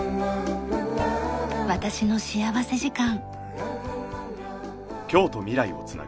『私の幸福時間』。